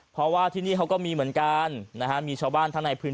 เพราะว่าที่นี่เขาก็มีเหมือนกันนะฮะมีชาวบ้านทั้งในพื้นที่